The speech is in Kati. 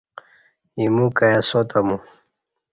ایمو کا ئی ساتہ مو